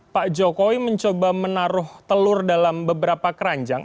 pak jokowi mencoba menaruh telur dalam beberapa keranjang